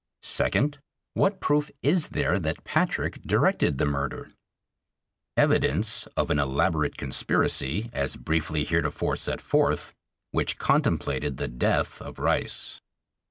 Second: What proof is there that Patrick directed the murder? Evidence of an elaborate conspiracy, as briefly heretofore set forth, which contemplated the death of Rice.